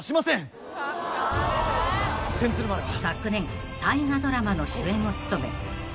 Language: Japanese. ［昨年大河ドラマの主演を務め名実共に］